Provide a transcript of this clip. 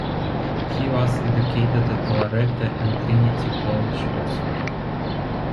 He was educated at Loretto and Trinity College, Oxford.